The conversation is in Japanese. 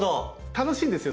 楽しいんですよ